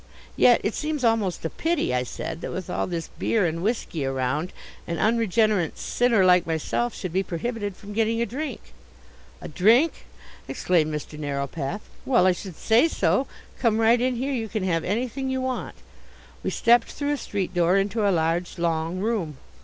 "Yet it seems almost a pity," I said, "that with all this beer and whisky around an unregenerate sinner like myself should be prohibited from getting a drink." "A drink!" exclaimed Mr. Narrowpath. "Well, I should say so. Come right in here. You can have anything you want." We stepped through a street door into a large, long room.